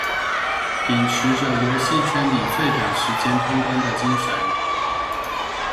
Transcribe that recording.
秉持著遊戲圈裡最短時間通關的精神